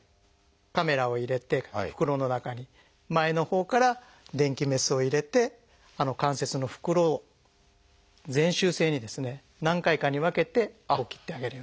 カメラを入れて袋の中に前のほうから電気メスを入れて関節の袋を全周性にですね何回かに分けて切ってあげる。